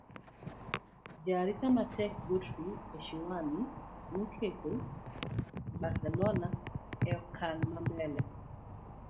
jaarita matek Godfrey Eshiwani noketo Barcelona e okang' ma mbele